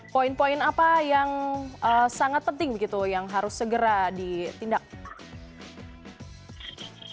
poin poin apa yang sangat penting begitu yang harus segera ditindak